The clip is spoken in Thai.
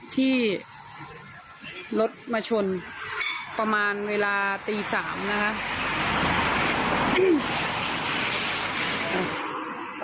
ที่รถมาชนประมาณเวลาตี๓นะคะ